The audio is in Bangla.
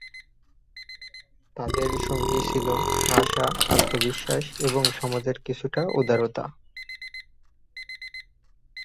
তাদের সঙ্গী ছিল আশা, আত্মবিশ্বাস এবং সমাজের কিছুটা উদারতা।